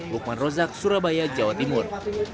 lukman rozak surabaya jawa timur